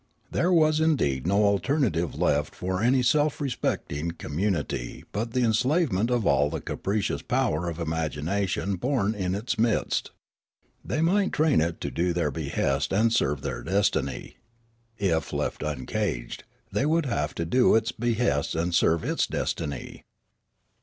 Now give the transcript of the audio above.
There was indeed no alternative left for any self respecting community but the enslavement of all the capricious power of imagination born in its midst. The}' might train it to do their behests and serve their destiny ; if left uncaged, they would have to do its behests and serve its destiny.